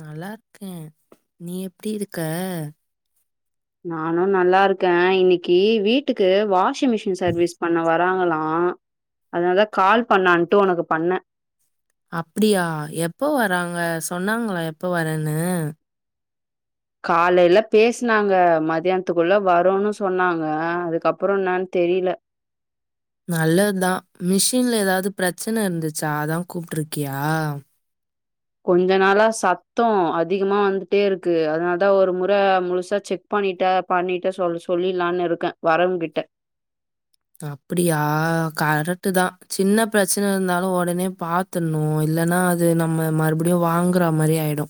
நல்லாருக்கே நீ எப்டி இருக்க நானு நல்லாருக்கே இன்னைக்கு வீட்டுக்கு வா வாஷிங் மிஷின் சர்வீஸ் பண்ண வராங்ளா ஆஹ் அதனலா கால் பண்ணாட்டு உனக்கு பண்ண அப்டியா எப்ப வராங்க சொன்னாங்கள எப்ப வரேன்னு காலையில பேஸ்னாங்க மதியானத்துக்குள்ள வரோனு சொன்னாங்க அதுக்கப்ரோ என்னான்னு தெரில நல்லதா மிஷின்ல ஏதாது பிரச்ன இருந்துச்சா அதா கூப்ட்ருக்யா கொஞ்சோ நாளா சத்தோ அதிகமா வந்துட்டே இருக்கு அதனாலதா ஒரு முற முழுசா செக் பண்ணிட்ட பண்ணிட்டு சொ சொல்லலான்னு இருக்கே வரவங்கிட்ட அப்டியா கரெக்ட் தா சின்ன பிரச்ன இருந்தாலு ஒடனே பாத்துணு இல்லன்னா அது நம்ம மறுபடியு வாங்ற மாரி ஆயிடு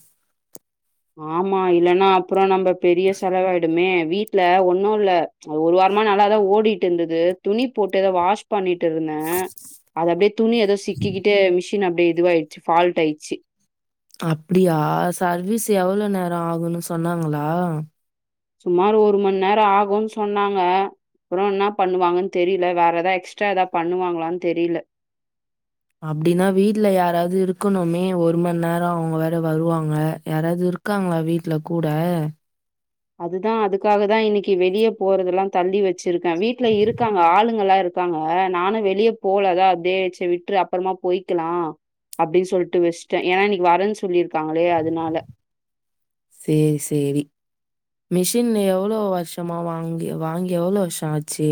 ஆமா இல்லன்னா அப்ரோ நம்ம பெரிய செலவாய்டுமே வீட்ல ஒன்னு இல்ல ப்ளீச் ஒரு வாரமா நல்லாதா ஓடிட்டு இருந்துது துணி போட்டத வாஷ் பண்ணிட்டு ருந்தே அத அப்டியே துணி ஏதோ சிக்கிக்கிட்டு மிஸ் அப்டியே இதுவாய்டுச்சு ஃபால்ட் ஆய்டுச்சு அப்டியா சர்வீஸ் எவ்ளோ நேரொ ஆகுன்னு சொன்னாங்களா சுமார் ஒரு ம நேரொ ஆகு சொன்னாங்க அப்ரோன்னா பண்ணுவாங்கன் தெரில வேற ஏதா எக்ஸ்ட்ரா ஏதா பண்ணு வாங்ளான்னு தெரில அப்டின்னா வீட்ல யாராது இருக்கணுமே ஒரு மண் நேரொ அவுங்க வேற வருவாங்க யாராது இருக்காங்களா வீட்ல கூட அதுதா அதுக்காக தா இன்னைக்கு வெளியே போறதெல்லா தள்ளி வச்ருக்கே வீட்ல இருக்காங்க ஆளுங்கல்லா இருக்காங்க நானு வெளியே போலதா அப்டியே சேரி விட்று அப்றமா போய்க்லா அப்டின்னு சொல்லிட்டு வச்ட்டே ஏன்னா இன்னைக்கு வரேன்னு சொல்லிருக் இருக்காங்ளே அதனால சரி, சரி. மிஷின் எவ்ளோ வர்ஷோமா வாங்கி வாங்கி எவ்ளோ வர்ஷோ ஆச்சு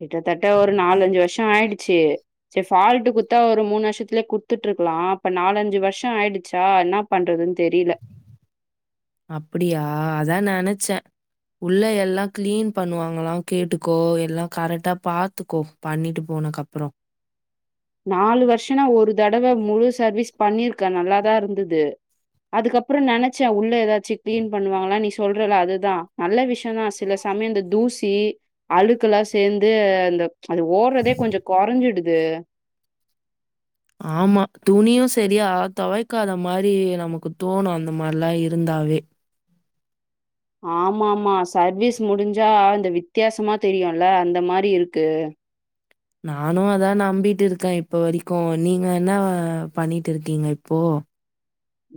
கிட்டத்தட்ட ஒரு நாலஞ்சு வர்ஷோ ஆய்டுச்சு சேரி ஃபால்ட் குட்த்த ஒரு மூணு வர்ஷத்ல குட்த்துட் இருக்லா நாலஞ்சு வர்ஷோ ஆய்டுச்சா என்ன பண்றது அப்டியா அதா நா நெனச்சே உள்ள எல்லா க்ளீன் பண்ணுவாங்ளா கேட்டுக்கோ எல்லா கரெக்டா பாத்துக்கோ பண்ணிட்டு போனக்கப்ரோ நாலு வர்ஷோனா ஒரு தடவ முழுச சர்வீஸ் பண்ணிருக்கே நல்லாதா இருந்துது அதுகப்ரோ நெனச்சே உள்ள ஏதாச்சு க்ளீன் பண்ணுவாங்ள நீ சொல்றல அதுதா நல்ல விஷ்யோ னா சில சமயம் இந்த தூசி சி அழுக்கெல்லாம் சேர்ந்து அந்த அது ஓடுறதே கொஞ்சம் குறஞ்சிடு து ஆமா துணியும் சரியா தொவைக்காத மாரி நமக்கு தோணும் அந்த மாரிலாம் இருந்தாவே ஆமா ஆமா சர்வீஸ் முடிஞ்சா இந்த வித்தியாசமா தெரியும்ல அந்த மாரி இருக்கு நானு அதா நம்பிட்டு இருக்கே இப்ப வரிக்கு நீங்க என்ன பண்ணிட்டு இருக்கிங்க இப்போ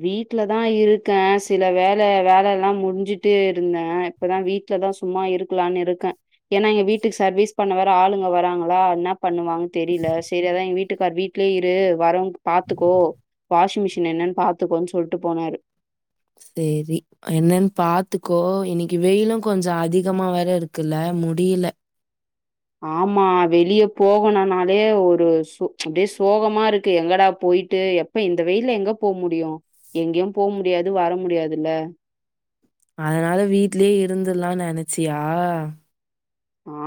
வீட்லதா இருக்கே சில வேல வேல எல்லா முடிஞ்சுட்டு இருந்தே இப்பதா வீட்லதா சும்மா இருக்கலானு இருக்க ஏனா எ வீட்டுக்கு சர்வீஸ் பண்ண வேற ஆளுங்க வராங்களா என்னா பண்ணுவாங்கன் தெரில செரி அதா எங்க வீட் டுக்கார் வீட்லயே இரு வரவுங்க பாத்துக்கோ வாஷின் மிஷின் என்னன் பாத் துக்கோன் சொல்ட்டு போனாரு செரி என்னன் பாத்துக்கோ இன்னிக்கு வெயிலு கொஞ்ச அதிகமா வேற இருக்குல்ல முடியில ஆமா வெளிய போகணுனாலே ஒரு சொ அப்டியே சோகமா இருக்கு எங்கடா போய்ட்டு எப்ப இந்த வெயில எங்க போ முடியு எங்கயு போக முடியாது வர முடியாதுல அதனால வீட்லயே இருந்துர்லா நெனச்சியா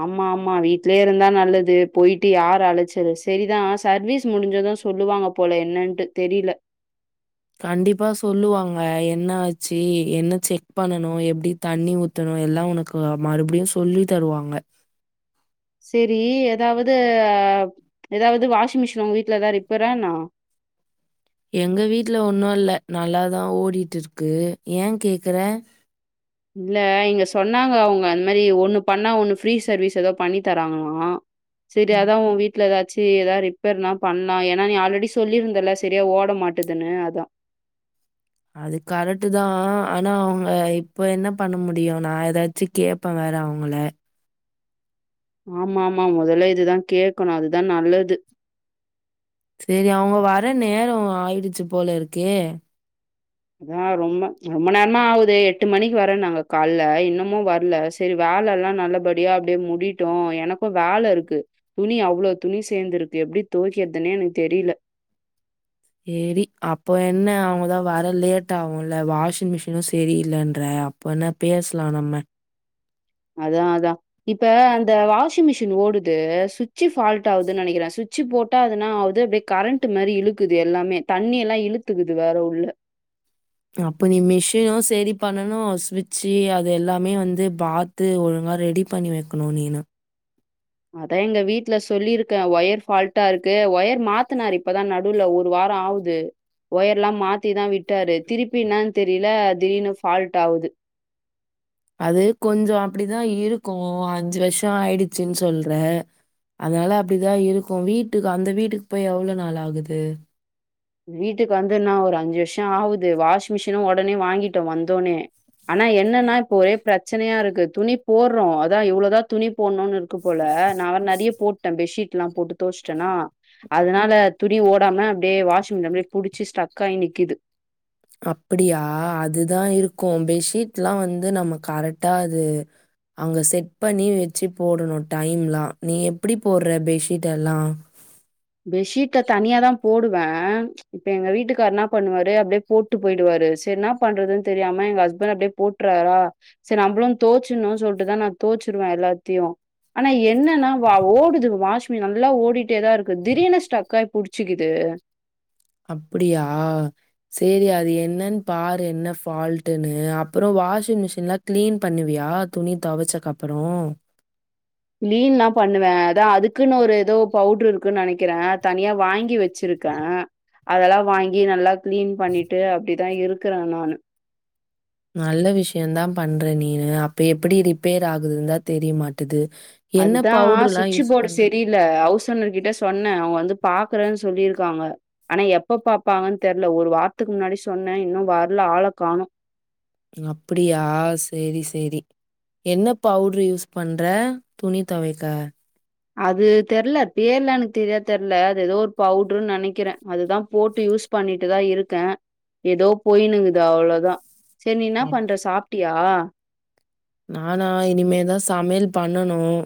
ஆமாமா வீட்லயே இருந்தா நல்லது போய்ட்டு யார் அலைச்சலு சரிதா சர்வீஸ் முடிஞ்சது சொல்லுவாங்க போல என்னன்ட்டு தெரில கண்டிப்பா சொல்லுவாங்க என்ன ஆச்சு என்ன செக் பண்ணனு எப்டி தண்ணி ஊத்தணு எல்லா உனக்கு மறுபடியு சொல்லி தருவாங்க செரி எதாவது எதாவ்து வாஷிங் மிஷின் உங்க வீட்ல எதா ரிப்பேரா என்ன எங்க வீட்ல ஒண்ணு இல்ல நல்லாதா ஓடிட்டிருக்கு ஏ கேக்கற இல்ல இங்க சொன்னாங்க அவுங்க அந்த மாரி ஒண்ணு பண்ணா ஒண்ணு ஃப்ரீ சர்வீஸ் எதோ பண்ணி தராங்ளா செரி ம். அதா உ வீட்ல எதா சேர் எதா ரிப்பேர்னா பண்லா ஏனா நீ ஆல்ரெடி சொல்லிருந்தல சரியா ஓட மாட்டுதுனு அதா அது கரெட்டுதா ஆனா அவுங்க இப்ப என்ன பண்ண முடியு நா எதாச்சி கேப்ப வேற அவுங்கள ஆமாமா மொதல்ல இதுதா கேக்கணு அதுதா நல்லது சேரி அவங்க வர நேர ஆயிடுச்சு போல இருக்கே அதா ரொம்ப ரொம்ப நேரமா ஆவுது எட்டு மணிக்கு வரேனாங்க காலல இன்னமு வர்ல செரி வேல எல்லா நல்லபடியா அப்டியே முடிய்ட்டு எனக்கு வேல இருக்கு துணி அவ்ளோ துணி சேந்துருக்கு எப்டி துவெக்கறதுனே எனக்கு தெரில சேரி அப்போ என்ன அவங்கதா வர லேட் ஆகும்ல வாஷிங் மிஷினு சரியில்லன்ற அப்போ என்ன பேசலா நம்ம அதா அதா இப்ப அந்த வாஷிங் மிஷின் ஓடுது சுவிட்சு ஃபால்ட் ஆவுதுன் நெனக்கிறே சுச்சு போட்டா அது என்னா ஆகுது அப்டியே கரண்ட் மாரி இழுக்குது எல்லாமே தண்ணி எல்லா இழுத்துக்குது வேற உள்ள அப்ப நீ மிஷினும் சரி பண்ணனு சுவிட்சு அது எல்லாமே வந்து பாத்து ஒழுங்கா ரெடி பண்ணி வெக்கணும் நீன அதா எங்க வீட்ல சொல்லிருக்க ஒயர் ஃபால்ட்டா இருக்கு ஒயர் மாத்தனாரு இப்பதா நடுல ஒரு வாரம் ஆவுது ஒயர் எல்லா மாத்திதான் விட்டாரு திருப்பனு தெரியல திடீனு ஃபால்ட் ஆவுது அது கொஞ்சம் அப்படிதா இருக்கும் அஞ்சு வருஷம் ஆயிடுச்சுன்னு சொல்ற அதனால அப்டிதா இருக்கும் வீட்டுக்கு அந்த வீட்டுக்கு போய் எவ்ளோ நாள் ஆகுது வீட்டுக்கு வந்துனா ஒரு அஞ்சு வருஷம் ஆவுது வாஷிங் மிஷினும் உடனே வாங்கிட்டோ வந்தோனே ஆனா என்னன்னா இப்ப ஒரே பிரச்சனையா இருக்கு துணி போர்றோ அதா இவ்வளோ தா துணி போணும்னு இருக்கு போல நா வேற நறிய போட்டேன் பெட்ஷீட் எல்லாம் போட்டு தோச்சுட்டேன்னா அதனால துணி ஓடாம அப்டியே வாஷ் அப்டியே புடிச்சு ஸ்டக் ஆகி நிக்கிது அப்டியா அதுதா இருக்கு பெட்ஷீட்லா வந்து நம்ம கரெக்டா அது அங்க செட் பண்ணி வச்சு போடணும் டைம்ல்லா நீ எப்படி போடுற பெட்ஷீட் எல்லா பெட்ஷீட்ட தனியா தா போடு பே இப்ப எங்க வீட்டுக்கார் என்ன பண்ணுவாரு அப்படியே போட்டு போயிடுவாரு சரி என்ன பண்றதுன்னு தெரியாம எங்க ஹஸ்பண்ட் அப்படியே போட்டுறாரா சரி நம்மளும் தோச்சணுனு சொல்லிட்டுதா நா தோச்சுருவே எல்லாத்தையு ஆனா என்னன்னா ஓடுது வாஷ் மி நல்லா ஓடிட்டேதா இரு திடீர்னு ஸ்டக்காய் புடிச்சுக்குது அப்டியா செரி அது என்னன்னு பாரு என்ன ஃபால்ட்டுனு அப்புறம் வாஷிங் மிஷின்லா கிளீன் பண்ணுவியா துணி தொவச்சக்கப்புறம் கிளீன்லா பண்ணுவே அதா அதுக்குன்னு ஒரு ஏதோ பவுட்ரு இருக்குன்னு நெனைக்கிறே தனியா வாங்கி வச் வச்சிருக்கே அதெல்லா வாங்கி நல்லா கிளீன் பண்ணிட்டு அப்படிதா இருக்கிறே நானு நல்ல விஷயம்தா பண்ற நீனு அப்ப எப்படி ரிப்பேர் ஆகுதுந்தா தெரியமாட்டுது அதுதா சுவிட்சு போர்டு சரியில்ல ஹவுஸ் ஓனர் கிட்ட சொன்னே அவங்க வந்து பாக்குறேன்னு சொல்லிருக்காங்க ஆனா எப்ப பாப்பாங்கன்னு தெரில ஒரு வாரத்துக்கு முன்னாடி சொன்னே இன்னு வரல ஆள காணும் அப்படியா சேரி சேரி என்ன பவுட்ரு யூஸ் பண்ற துணி துவைக்க அது தெர்ல பேரெல்லா எனுக்கு தெரியா தெர்ல அது எதோ ஒரு பவுடருன்னு நெனைக்கிறே அதுதா போட்டு யூஸ் பண்ணிட்டுதா இருக்கேன் எதோ போயினுக்குது அவ்ளோதா சரி நீ னா அப்- பண்ற சாப்பிட்டியா நானா இனிமேதான் சமையல் பண்ணனும்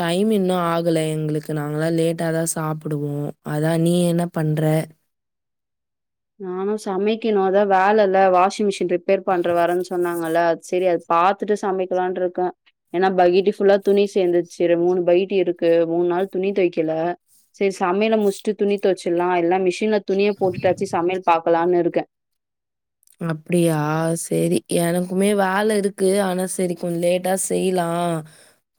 டைம் இன்னும் ஆகலை எங்களுக்கு நாங்களல்லாம் லேட்டாதான் சாப்பிடுவோம் அதான் நீ என்ன பண்ற நானும் சமைக்கணும் அதான் வேலை இல்ல வாஷிங் மிஷின் ரிப் ரிப்பேர் பண்ற வரன்ன சொன்னாங்கள அது சரி அது பாத்துட்டு சமைக்கலான்ருக்க ஏன்னா பகட்டி ஃபுல்லா துணி சேர்ந்துச்சு மூணு பக்கட்டி இருக்கு மூணு நாள் துணி தொவைக்கல சரி சமைல முடிச்சிட்டு துணி தொவைச்சிடுலா எல்லா மிஷின்ல துணிய போட்டுட்டு சமையல் பாக்கலாம்னு இருக்க அப்படியா சரி எனக்குமே வேலை இருக்கு ஆனா சரி கொஞ்சோ லேட்டா செய்யலாம்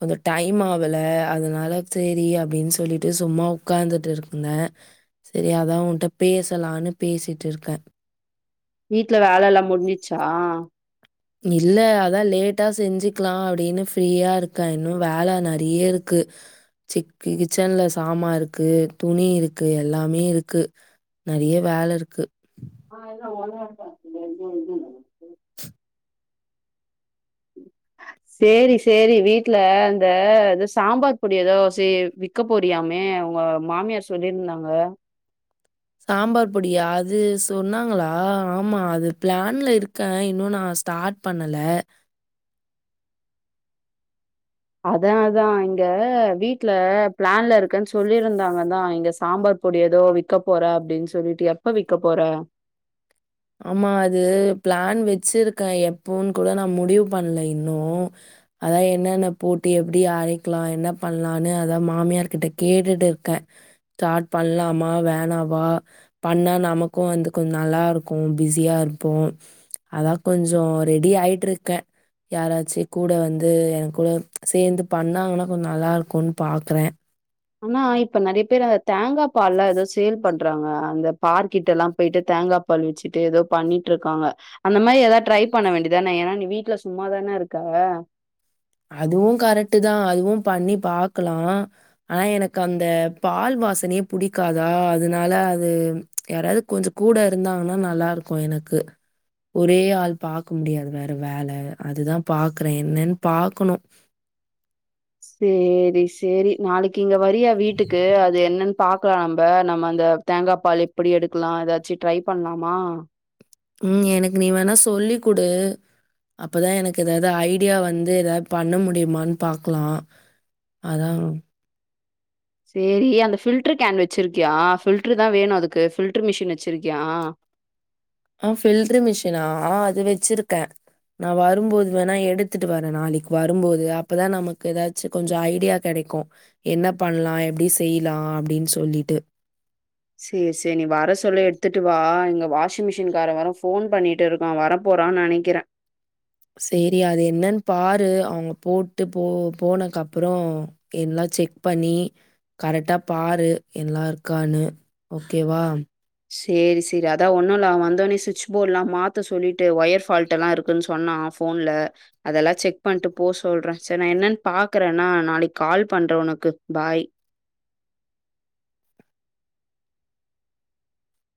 கொஞ்சோ டைம் ஆகல அதனால சரி அப்படின்னு சொல்லிட்டு சும்மா உட்கார்ந்துட்டு இருந்த சரி, அதா உன்ட்ட பேசலானு பேசிட்டு இருக்கே. வீட்டுல வேல எல்லாம் முடிஞ்சிச்சா இல்ல அதான் லேட்டா செஞ்சுக்கலா அப்டினு ஃப்ரீயா இருக்கேன் இன்னும் வேல நறைய இருக்கு சி கிச்சன்ல சாமான் இருக்கு துணி இருக்கு எல்லாமே இருக்கு நறைய வேல இருக்கு [unintelligible] சேரி சேரி வீட்ல அந்த சாம்பார் பொடி ஏதோ ச விற்க போரியாமே உங்க மாமியார் சொல்லிருந்தாங்க சாம்பார் பொடியா அது சொன்னாங்களா ஆமா அது பிளான்ல இருக்கேன் இன்னும் நான் ஸ்டார்ட் பண்ணல அதான்தான் இங்க வீட்டு்ல பிளான்ல இருக்கன்னு சொல்லியிருந்தாங்க தான் இங்க சாம்பார் பொடி ஏதோ விக்க போற அப்படின்னு சொல்லிட்டு எப்ப விக்க போற ஆமா அது பிளான் வச்சிருக்கேன் எப்போன்னு கூட நான் முடிவு பண்ணல இன்னும் அதான் என்னன்ன போட்டி எப்படி அரைக்கலாம் என்ன பண்ணலான்னு அதா மாமியார் கிட்ட கேட்டுட்டு இருக்கேன் ஸ்டார்ட் பண்ணலாமா வேணாவா க்கும் பிஸியா இருப்போம் அதான் கொஞ்சம் ரெடி ஆயிட்டு இருக்கேன் யாராச்சும் கூட வந்து என் கூட சேர்ந்து பண்ணாங்கன்னா கொஞ்சம் நல்லா இருக்கும்ன்னு பாக்குறேன் ஆனா இப்ப நிறைய பேர் அந்த தேங்காய் பால் எல்லாம் ஏதோ சேல் பண்றாங்க அந்த பார்க்கெட்ட எல்லாம் போயிட்டு தேங்காய் பால் வச்சுட்டு ஏதோ பண்ணிட்டு இருக்காங்க அந்த மாதிரி ஏதாவது ட்ரை பண்ண வேண்டியதான ஏன்னா நீ வீட்டுல சும்மாதானே இருக்க அதுவும் கரெக்ட் தான் அதுவும் பண்ணி பாக்கலாம் ஆனா எனக்கு அந்த பால் வாசனையே பிடிக்காதா அதனால அது யாராவது கொஞ்சம் கூட இருந்தாங்கன்னா நல்லா இருக்கும் எனக்கு ஒரே ஆள் பாக்க முடியாது வேற வேல அதுதான் பாக்குறேன் என்னன்னு பாக்கணோ சேரி சேரி நாளைக்கு இங்க வரியா வீட்டுக்கு அது என்னன்னு பா க்கலாம் நம்ம நம்ம அந்த தேங்காய் பால் எப்படி எடுக்கலாம் ஏதாச்சும் ட்ரை பண்ணலாமா உம் எனக்கு நீ வேணா சொல்லி கொடு அப்பதான் எனக்கு ஏதாவது ஐடியா வந்து ஏதாவது பண்ண முடியுமான்னு பாக்கலாம் அதான் சேரி அந்த பில்டர் கேன் வச்சிருக்கியா பில்டரு தான் வேணும் அதுக்கு பில்டர் மிஷின் வச்சிருக்கியா ஆஹ் பில்டரு மிஷினா ஆஹ் அது வச்சிருக்கேன் நான் வரும்போது வேணா எடுத்துட்டு வரேன் நாளைக்கு வரும்போது அப்பதான் நமக்கு ஏதாச்சும் கொஞ்சம் ஐடியா கிடைக்கும் என்ன பண்ணலாம் எப்படி செய்யலாம் அப்படின்னு சொல்லிட்டு சரி, சரி. நீ வர சொல்லு எடுத்துட்டு வா. இங்க வாஷிங் மிஷின கார வேர போன் பண்ணிட்டு இருக்கான் வரப்போறான்னு நினைக்கிறேன் சரி அது என்னன்னு பாரு அவங்க போட்டு போ போனக்கு அப்புறம் எல்லாம் செக் பண்ணி கரெக்டா பாரு எல்லாம் இருக்கான்னு ஓகேவா சேரி சேரி அதான் ஒண்ணும்ல்ல அவன் வந்தோடனே சுவிட்ச போர்ட் எல்லாம் மாத்த சொல்லிட்டு ஒயர் ஃபால்ட் எல்லாம் இருக்குன்னு சொன்னான் போன்ல அதெல்லாம் செக் பண்ணிட்டு போ சொல்றேன் சரி நான் என்னன்னு பாக்குறேன்னா நாளைக்கு கால் பண்றேன் உனக்கு பாய்